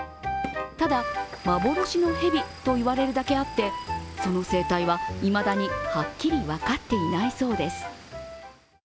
ただ、幻の蛇と言われるだけあってその生態はいまだにはっきり分かっていないそうです。